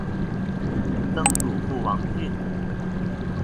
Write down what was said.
曾祖父王俊。